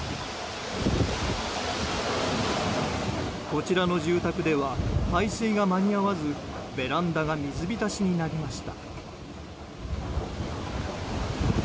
こちらの住宅では排水が間に合わずベランダが水浸しになりました。